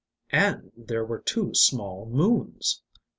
_And there were two small moons!